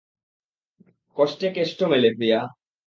কষ্টে কেষ্ট মেলে, প্রিয়া।